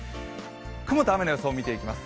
雲と雨の予想を見ていきます。